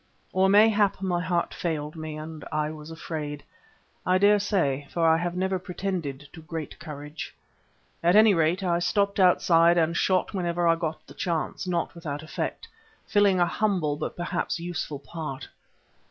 Or mayhap my heart failed me and I was afraid. I dare say, for I have never pretended to great courage. At any rate, I stopped outside and shot whenever I got the chance, not without effect, filling a humble but perhaps a useful part.